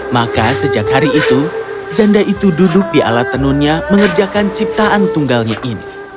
maka sejak hari itu janda itu duduk di alat tenunnya mengerjakan ciptaan tunggalnya ini